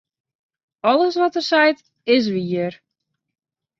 Alles wat er seit, is wier.